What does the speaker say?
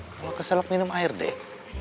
kalau keselok minum air deh